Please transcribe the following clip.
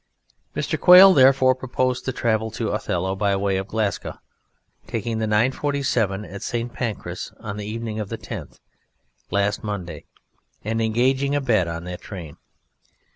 Mr. Quail, therefore, proposed to travel to "Othello" by way of Glasgow, taking the 9.47 at St. Pancras on the evening of the 10th last Monday and engaging a bed on that train.